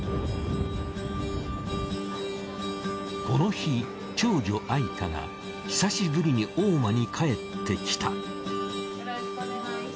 この日長女愛華が久しぶりに大間に帰ってきた。